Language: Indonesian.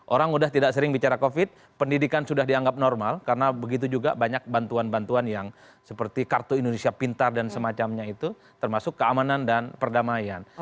orang sudah tidak sering bicara covid pendidikan sudah dianggap normal karena begitu juga banyak bantuan bantuan yang seperti kartu indonesia pintar dan semacamnya itu termasuk keamanan dan perdamaian